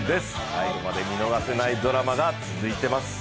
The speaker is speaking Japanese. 最後まで見逃せないドラマが続いています。